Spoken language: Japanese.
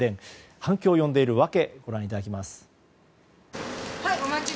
反響を呼んでいる訳をご覧いただきます。